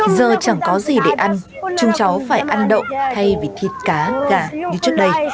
giờ chẳng có gì để ăn chúng cháu phải ăn đậu thay vì thịt cá gà như trước đây